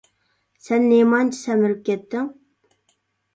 سەن نېمانچە سەمىرىپ كەتتىڭ؟